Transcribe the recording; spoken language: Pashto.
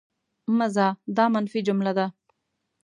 مه ځه! دا منفي جمله ده.